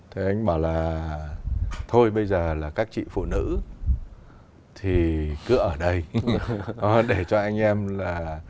thế anh bảo là thôi bây giờ là các chị phụ nữ thì cứ ở đây để cho anh em là